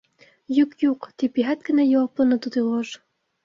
—Юҡ-юҡ, —тип йәһәт кенә яуапланы Тутыйғош.